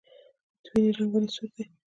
د وینې رنګ ولې سور دی